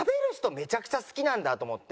めちゃくちゃ好きなんだと思って。